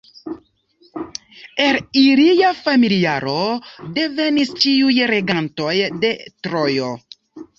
El ilia familiaro devenis ĉiuj regantoj de Trojo.